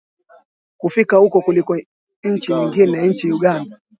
kufiika huko kuliko nchi nyingine Nchini Uganda